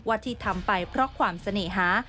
ที่ทำไปเพราะความเสน่หา